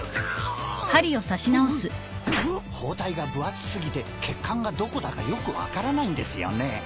包帯が分厚過ぎて血管がどこだかよく分からないんですよね。